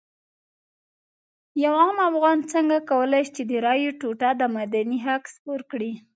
یو عام افغان څنګه کولی شي د رایې ټوټه د مدني حق سپر کړي.